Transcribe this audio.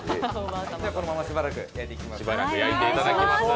このまましばらく焼いていきます。